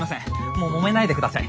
もうもめないで下さい。